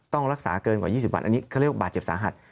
ต้องรักษาเกินกว่า๒๐วันอันนี้เขาเรียกว่าบาดเจ็บสาหัส